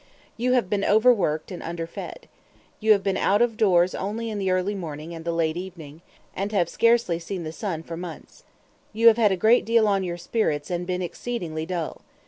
You have been overworked and underfed. You have been out of doors only in the early morning and the late evening, and have scarcely seen the sun for months. You have had a great deal on your spirits, and been exceedingly dull.